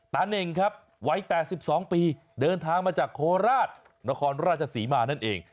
เน่งครับวัย๘๒ปีเดินทางมาจากโคราชนครราชศรีมานั่นเอง